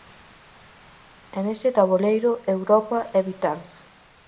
E neste taboleiro, Europa é vital.